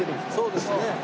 そうですね。